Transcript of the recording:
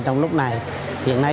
trong lúc này hiện nay